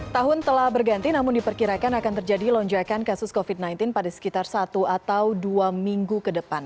tahun telah berganti namun diperkirakan akan terjadi lonjakan kasus covid sembilan belas pada sekitar satu atau dua minggu ke depan